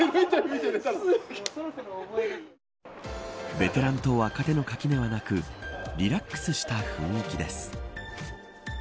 ベテランと若手の垣根はなくリラックスした雰囲気です。